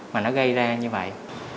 mà nó gây ra như vậy